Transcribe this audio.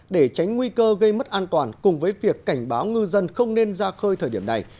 để tránh nguy cơ gây mất an toàn cùng với việc cảnh báo ngư dân không nên ra khơi thời điểm này